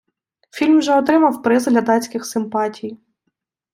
Фільм вже отримав приз глядацьких симпатій.